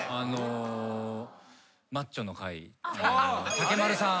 竹丸さん。